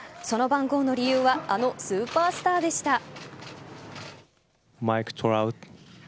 その番号の理由はあのスーパースターでした。